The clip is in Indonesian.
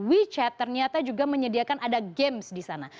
wechat ternyata juga menyediakan ada games di sana